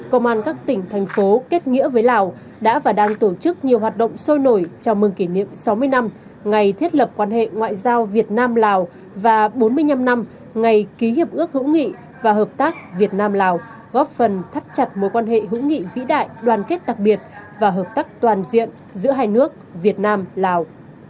công an các tỉnh thành phố kết nghĩa với lào đã và đang tổ chức nhiều hoạt động sôi nổi chào mừng kỷ niệm sáu mươi năm ngày thiết lập quan hệ ngoại giao việt nam lào và bốn mươi năm năm ngày ký hiệp ước hữu nghị và hợp tác việt nam lào góp phần thắt chặt mối quan hệ hữu nghị vĩ đại đoàn kết đặc biệt và hợp tác toàn diện giữa hai nước việt nam lào